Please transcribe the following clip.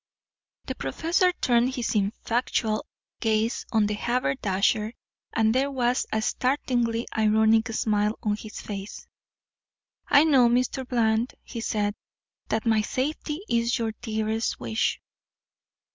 The professor turned his ineffectual gaze on the haberdasher, and there was a startlingly ironic smile on his face. "I know, Mr. Bland," he said, "that my safety is your dearest wish."